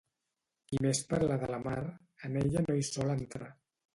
Qui més parla de la mar, en ella no hi sol entrar